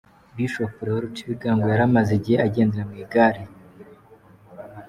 Bishop Leo Rucibigango yari amaze igihe agendera mu igare.